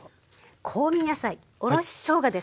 香味野菜おろししょうがです。